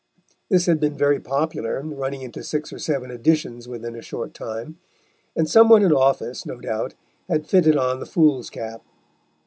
This had been very popular, running into six or seven editions within a short time, and some one in office, no doubt, had fitted on the fool's cap.